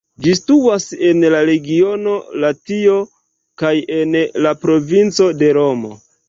Ĝi situas en la regiono Latio kaj en la provinco de Romo.